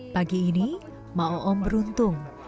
pagi ini ma'oom beruntung